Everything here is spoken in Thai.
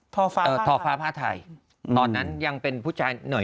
ธอฟาพัฒนาไทยตอนนั้นยังเป็นผู้ชายหน่อยหน่อย